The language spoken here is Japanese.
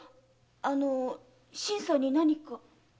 あの新さんに何か？